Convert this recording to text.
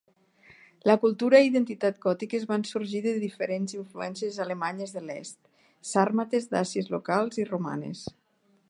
La cultura i identitat gòtiques van sorgir de diferents influències alemanyes de l'est, sàrmates, dàcies locals i romanes.